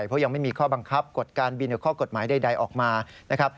เพราะยังไม่มีข้อบังคับกฎการบินหรือข้อกฎหมายใดออกมานะครับ